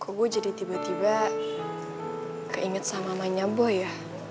kok gue jadi tiba tiba keinget sama nanya boh ya